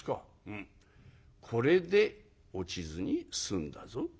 「うん。これで落ちずに済んだぞ。